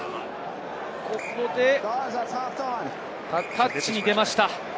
タッチに出ました。